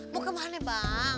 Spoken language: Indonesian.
mau kemana bang